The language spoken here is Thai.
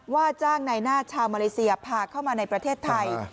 ว่าจ้างในหน้าชาวมาเลเซียพาเข้ามาในประเทศไทย